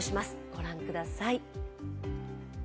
ご覧ください。